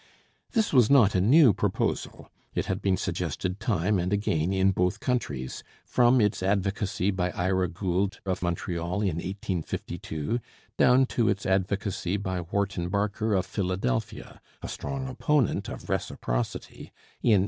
This was not a new proposal; it had been suggested time and again in both countries, from its advocacy by Ira Gould of Montreal in 1852 down to its advocacy by Wharton Barker of Philadelphia a strong opponent of reciprocity in 1886.